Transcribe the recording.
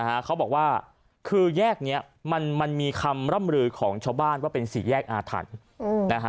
เขาบอกว่าคือแยกเนี้ยมันมันมีคำร่ำลือของชาวบ้านว่าเป็นสี่แยกอาถรรพ์นะฮะ